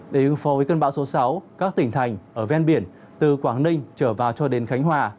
để ứng phó với cơn bão số sáu các tỉnh thành ở ven biển từ quảng ninh trở vào cho đến khánh hòa